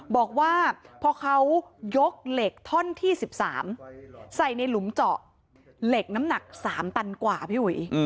บอกว่าพอเขายกเหล็กท่อนที่๑๓ใส่ในหลุมเจาะเหล็กน้ำหนัก๓ตันกว่าพี่อุ๋ย